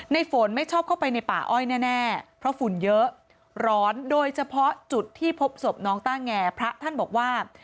ฝนไม่ชอบเข้าไปในป่าอ้อยแน่เพราะฝุ่นเยอะร้อนโดยเฉพาะจุดที่พบศพน้องต้าแงพระท่านบอกว่า